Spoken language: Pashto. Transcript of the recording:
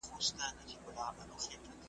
بدلوي په یوه ورځ کي سل رنګونه سل قولونه ,